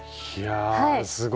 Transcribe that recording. すごい。